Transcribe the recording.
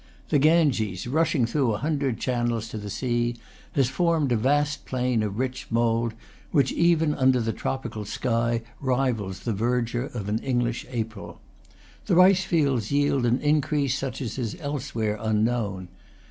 The Ganges, rushing through a hundred channels to the sea, has formed a vast plain of rich mould which, even under the tropical sky, rivals the verdure of an English April. The rice fields yield an increase such as is elsewhere unknown.